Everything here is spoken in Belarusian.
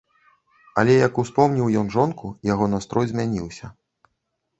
Але як успомніў ён жонку, яго настрой змяніўся.